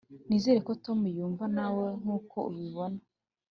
nizere ko tom yumva nawe nkuko ubibona